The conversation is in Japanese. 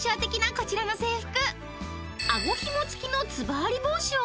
［こちらの制服］